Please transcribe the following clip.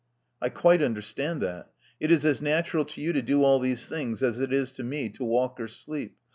*'I quite understand that. It is as natural to you to do all these things as it is to me to walk or sleep.